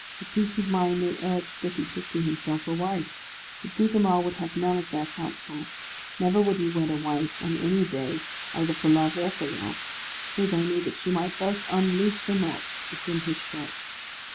For peace of mind they urged that he took to himself a wife, but Gugemar would have none of their counsel. Never would he wed a wife, on any day, either for love or for wealth, save only that she might first unloose the knot within his shirt.